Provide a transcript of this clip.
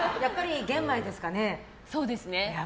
そうですね。